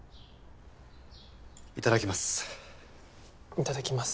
いただきます。